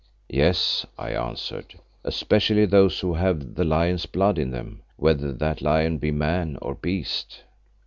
"Yes," I answered, "especially those who have the lion's blood in them, whether that lion be man or beast."